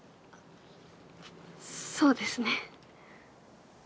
そうですね。